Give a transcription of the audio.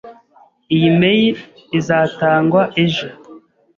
Iyi mail izatangwa ejo.